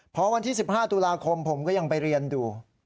พอวันที่๑๕ตุลาคมผมก็ยังไปเรียนดู